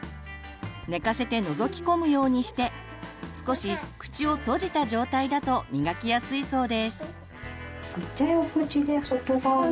寝かせてのぞき込むようにして少し口を閉じた状態だと磨きやすいそうです。